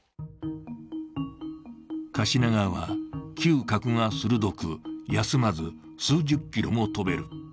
カシナガは嗅覚が鋭く休まず数十キロも飛べる。